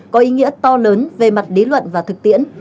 có ý nghĩa to lớn về mặt lý luận và thực tiễn